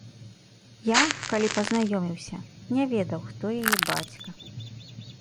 Я, калі пазнаёміўся, не ведаў, хто яе бацька.